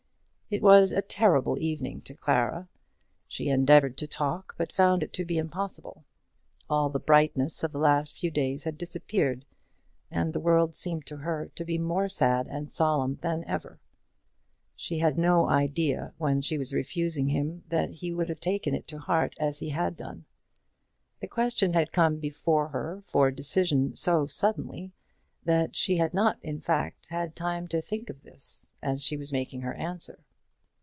It was a terrible evening to Clara. She endeavoured to talk, but found it to be impossible. All the brightness of the last few days had disappeared, and the world seemed to her to be more sad and solemn than ever. She had no idea when she was refusing him that he would have taken it to heart as he had done. The question had come before her for decision so suddenly, that she had not, in fact, had time to think of this as she was making her answer.